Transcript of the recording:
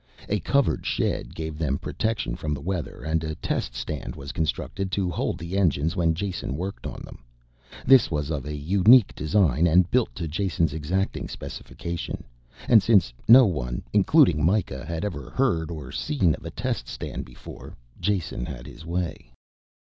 A covered shed gave them protection from the weather and a test stand was constructed to hold the engines when Jason worked on them. This was of a unique design and built to Jason's exacting specification, and since no one, including Mikah, had ever heard of or seen a test stand before Jason had his way.